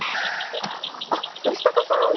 あっ吉高さん。